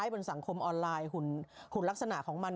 บนสังคมออนไลน์หุ่นลักษณะของมัน